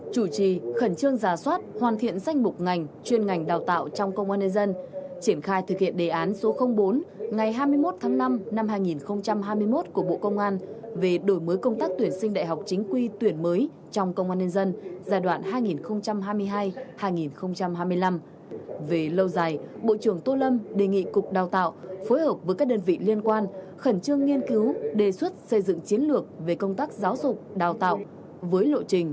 chủ trì khẩn trương giả soát hoàn thiện danh mục ngành chuyên ngành đào tạo trong công an nhân dân triển khai thực hiện đề án số bốn ngày hai mươi một tháng năm năm hai nghìn hai mươi một của bộ công an về đổi mới công tác tuyển sinh đại học chính quy tuyển mới trong công an nhân dân giai đoạn hai nghìn hai mươi hai hai nghìn hai mươi năm